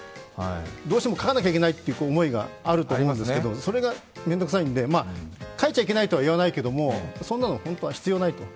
どうしても書かなきゃいけないという思いがあると思いますけどそれが面倒くさいんで、書いちゃいけないとは言わないけれども、そんなの本当は必要ないと。